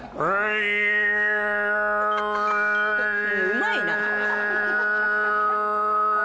うまいな！